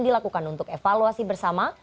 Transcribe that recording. dilakukan untuk evaluasi bersama